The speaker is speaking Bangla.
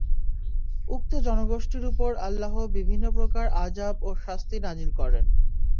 উক্ত জনগোষ্ঠীর উপর আল্লাহ বিভিন্ন প্রকার আযাব ও শাস্তি নাযিল করেন।